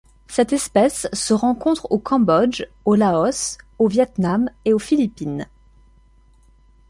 Cette espèce se rencontre au Cambodge, au Laos, au Viêt Nam et aux Philippines.